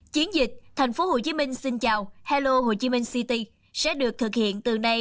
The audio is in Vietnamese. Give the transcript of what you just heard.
chiến dịch thành phố hồ chí minh xin chào hello hồ chí minh city sẽ được thực hiện từ nay